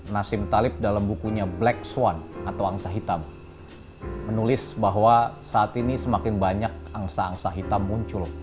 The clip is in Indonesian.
nasib talib dalam bukunya black swan atau angsa hitam menulis bahwa saat ini semakin banyak angsa angsa hitam muncul